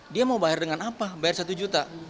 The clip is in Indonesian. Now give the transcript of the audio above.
dia mau bayar dengan apa bayar satu juta